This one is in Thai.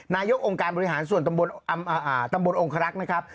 นายกองค์การบริหารส่วนตำบลองคารักษ์นะครับ